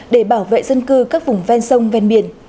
để bảo vệ dân cư các vùng ven sông ven biển